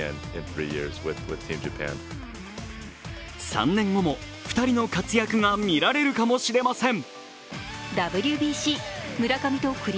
３年後も２人の活躍が見られるかもしれません。